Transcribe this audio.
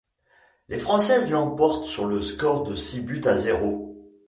Les Françaises l'emportent sur le score de six buts à zéro.